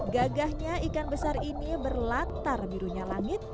gagahnya ikan besar ini berlatar birunya langit